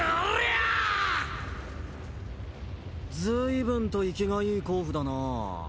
ずいぶんと活きがいい鉱夫だなぁ。